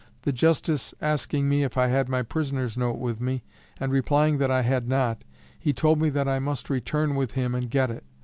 The justice asking me if I had my prisoner's note with me, and replying that I had not, he told me that I must return with him and get it.